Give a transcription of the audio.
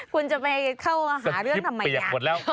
ควรจะไปเข้าหาเรื่องทำไมยัง